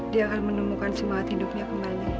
dia akan menemukan semangat hidupnya kembali